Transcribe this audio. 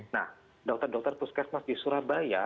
nah dokter dokter puskesmas di surabaya